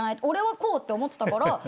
俺はこうって思ってたから」